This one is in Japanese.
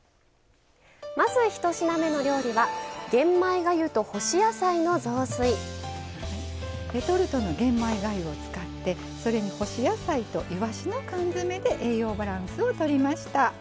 まず一品目の料理はレトルトの玄米がゆを使ってそれに干し野菜といわしの缶詰で栄養バランスをとりました。